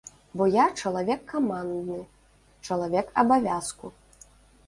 Бо я чалавек камандны, чалавек абавязку.